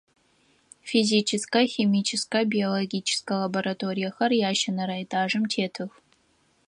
Физическэ, химическэ, биологическэ лабораториехэр ящэнэрэ этажым тетых.